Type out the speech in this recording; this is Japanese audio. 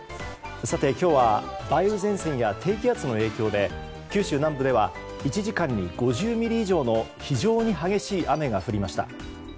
今日は梅雨前線や低気圧の影響で九州南部では１時間に５０ミリ以上の非常に激しい雨が降りました。